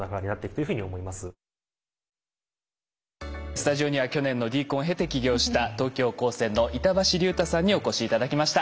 スタジオには去年のＤＣＯＮを経て起業した東京高専の板橋竜太さんにお越し頂きました。